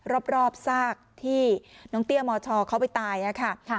รอบรอบซากที่น้องตี้ยมชเขาไปตายนะคะ